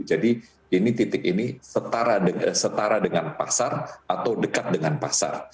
jadi ini titik ini setara dengan pasar atau dekat dengan pasar